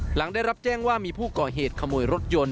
หลังได้รับแจ้งว่ามีผู้ก่อเหตุขโมยรถยนต์